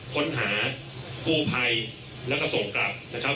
ค้นหากู้ภัยแล้วก็ส่งกลับนะครับ